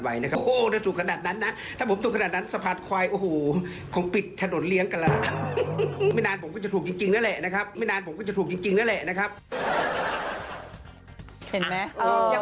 ไม่นานจะถูกจริงเดี๋ยวถูกก็พี่แกบอกแน่นอน